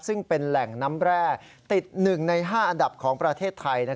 ซึ่งเป็นแหล่งน้ำแร่ติด๑ใน๕อันดับของประเทศไทย